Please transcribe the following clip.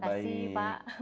terima kasih pak